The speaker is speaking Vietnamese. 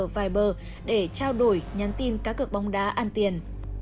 viber để trao đổi nhắn tin các cực bóng đá ăn tiền